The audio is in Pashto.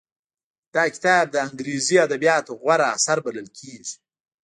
دا کتاب د انګليسي ادبياتو غوره اثر بلل کېږي.